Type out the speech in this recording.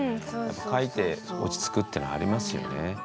書いて落ち着くっていうのはありますよね。